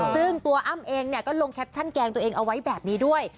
ซึ่งตัวอ้ำเองก็ลงแคปชั่นแกล้งตัวเองเอาไว้แบบนี้ด้วย